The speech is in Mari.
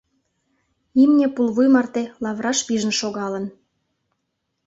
Имне пулвуй марте лавыраш пижын шогалын.